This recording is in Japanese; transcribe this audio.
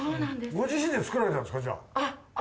ご自身で作られたんですかじゃあ？